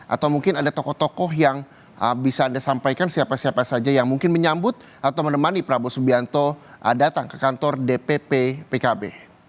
atau mungkin ada tokoh tokoh yang bisa anda sampaikan siapa siapa saja yang mungkin menyambut atau menemani prabowo subianto datang ke kantor dpp pkb